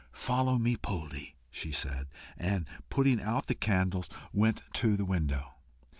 "Follow me, Poldie," she said, and putting out the candles, went to the window.